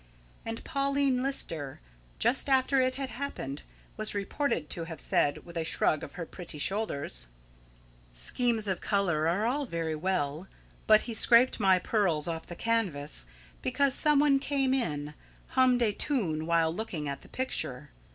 And Pauline Lister, just after it had happened, was reported to have said, with a shrug of her pretty shoulders: "Schemes of colour are all very well. But he scraped my pearls off the canvas because some one who came in hummed a tune while looking at the picture.